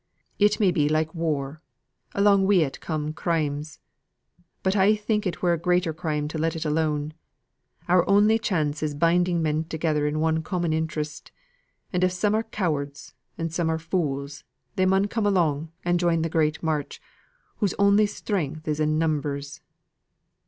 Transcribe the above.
It may be like war; along wi' it come crimes; but I think it were a greater crime to let it alone. Our only chance is binding men together in one common interest; and if some are cowards and some are fools, they mun come along and join the great march, whose only strength is in numbers."